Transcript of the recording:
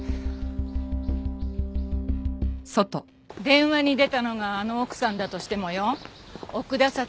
電話に出たのがあの奥さんだとしてもよ奥田彩